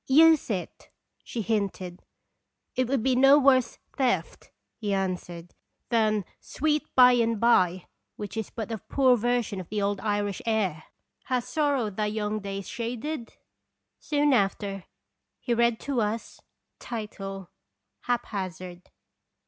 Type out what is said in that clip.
"Use it," she hinted. " It would be no worse theft," he answered, "than 'Sweet By and By,' which is but a poor version of the old Irish air, * Has sorrow thy young days shaded?' " Second Carfc toins." 247 Soon after he read to us : HAPHAZARD.